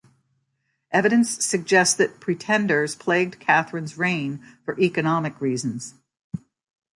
Evidence suggests that pretenders plagued Catherine's reign for economic reasons.